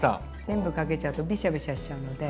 全部かけちゃうとびしゃびしゃしちゃうので。